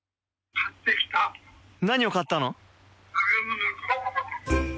何を買ったの？